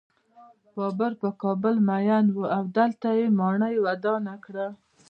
بابر پر کابل مین و او دلته یې ماڼۍ ودانه کړه.